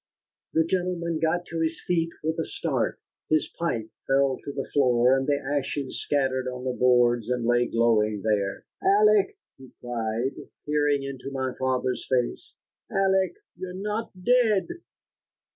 The gentleman got to his feet with a start. His pipe fell to the floor, and the ashes scattered on the boards and lay glowing there. "Alec!" he cried, peering into my father's face, "Alec! You're not dead."